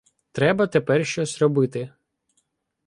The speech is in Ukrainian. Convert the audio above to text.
Треба тепер щось робити.